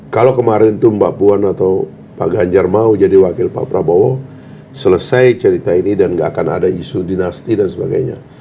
kalau kemarin itu mbak puan atau pak ganjar mau jadi wakil pak prabowo selesai cerita ini dan gak akan ada isu dinasti dan sebagainya